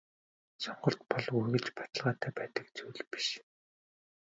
Сонголт бол үргэлж баталгаатай байдаг зүйл биш.